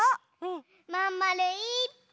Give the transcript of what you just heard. まんまるいっぱい！